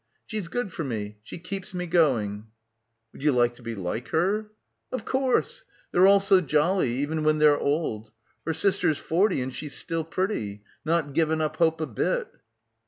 She's good for me, she keeps me go ing." "Would you like to be like her?" "Of course. They're all so jolly — even when they're old. Her sister's forty and she's still pretty ; not given up hope a bit."